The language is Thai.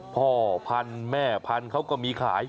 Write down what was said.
พ่อพันธุ์แม่พันธุ์เขาก็มีขาย